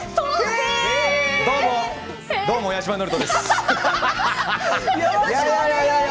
どうも、八嶋智人です。